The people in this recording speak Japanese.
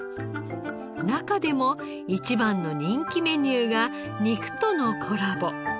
中でも一番の人気メニューが肉とのコラボ。